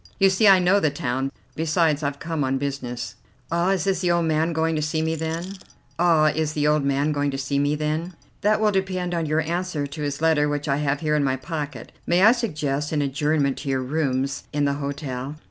You see, I know the town; besides, I've come on business." "Ah, is the old man going to see me, then?" "That will depend on your answer to his letter which I have here in my pocket. May I suggest an adjournment to your rooms in the hotel?"